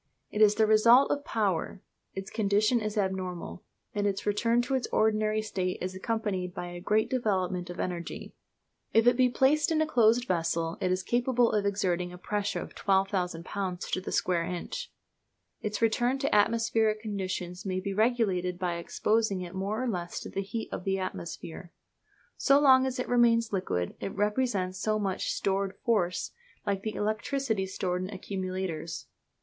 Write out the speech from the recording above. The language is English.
It is the result of power; its condition is abnormal; and its return to its ordinary state is accompanied by a great development of energy. If it be placed in a closed vessel it is capable of exerting a pressure of 12,000 lbs. to the square inch. Its return to atmospheric condition may be regulated by exposing it more or less to the heat of the atmosphere. So long as it remains liquid it represents so much stored force, like the electricity stored in accumulators.